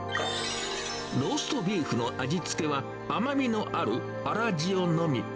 ローストビーフの味付けは、甘みのある粗塩のみ。